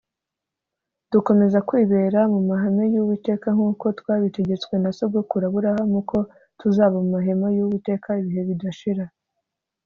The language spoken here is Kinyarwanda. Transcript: dukomeza kwibera mu mahema y`uwiteka nkuko twabitegetswe na sogokuru aburahamu ko tuzaba mumahema y`uwiteka ibihe bidashira.